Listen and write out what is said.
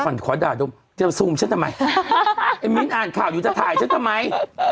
เดี๋ยวขอด่าดูจับซูมฉันทำไมเฮ้มมิ้นท์อ่านข่าวอยู่จะถ่ายฉันทำไม